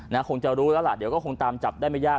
น่ะคงจะรู้ล่ะล่ะเดี๋ยวก็คงตามจับได้มักยาก